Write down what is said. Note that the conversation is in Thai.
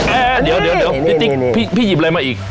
เอ๊ะเดี๋ยวพี่ติ๊กพี่หยิบอะไรมาอีก